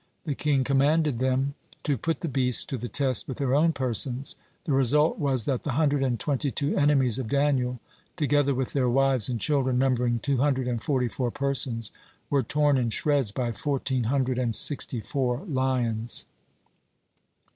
The king commanded them to put the beasts to the test with their own persons. The result was that the hundred and twenty two enemies of Daniel, together with their wives and children numbering two hundred and forty four persons, were torn in shreds by fourteen hundred and sixty four lions.